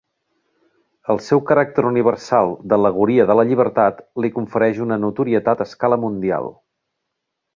El seu caràcter universal d'al·legoria de la llibertat li confereix una notorietat a escala mundial.